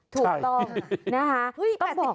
ถูกต้อง